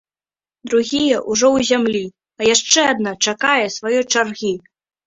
Другія ўжо ў зямлі, а яшчэ адна чакае сваёй чаргі.